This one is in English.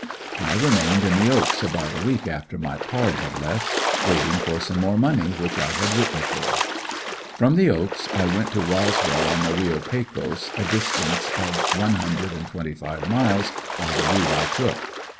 I remained in the "Oaks" about a week after my "pard" had left, waiting for some more money which I had written for. From the "Oaks" I went to Roswell on the Reo Pecos, a distance of one hundred and twenty five miles, by the route I took.